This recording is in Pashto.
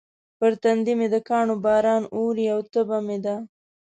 پر تندي مې د کاڼو باران اوري او تبه مې ده.